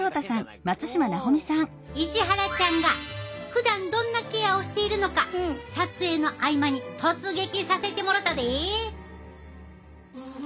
石原ちゃんがふだんどんなケアをしているのか撮影の合間に突撃させてもろたで！